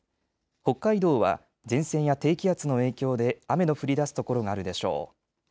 北海道は前線や低気圧の影響で雨の降りだす所があるでしょう。